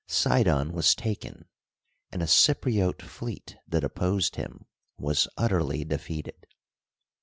Sidon was taken, and a Cypriote fleet that opposed him was utterly defeated.